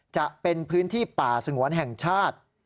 จะเป็นพื้นที่ป่าสงวนแห่งชาติ